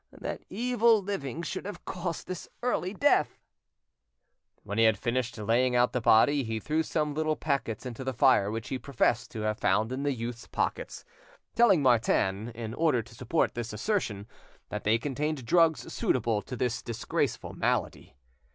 that evil living should have caused his early death!" When he had finished laying out the body, he threw some little packets into the fire which he professed to have found in the youth's pockets, telling Martin, in order to support this assertion, that they contained drugs suitable to this disgraceful malady.